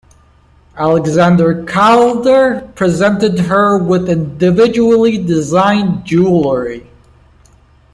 Alexander Calder presented her with individually designed jewelry.